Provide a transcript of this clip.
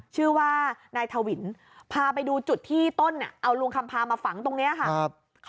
ชื่อว่านายทวินพาไปดูจุดที่ต้นเอาลุงคำพามาฝังตรงนี้ค่ะ